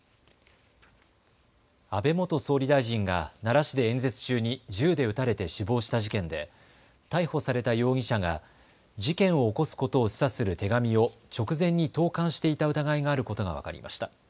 安倍元総理大臣が奈良市で演説中に銃で撃たれて死亡した事件で逮捕された容疑者が事件を起こすことを示唆する手紙を直前に投かんしていた疑いがあることが分かりました。